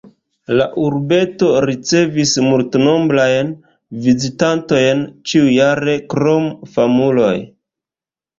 La urbeto ricevis multnombrajn vizitantojn ĉiujare krom famuloj.